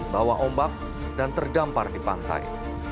bawa ombak dan terdampar di pantai